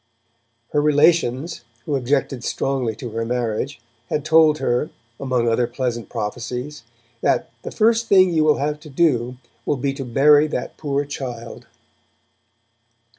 Her relations, who objected strongly to her marriage, had told her, among other pleasant prophecies, that 'the first thing you will have to do will be to bury that poor child'.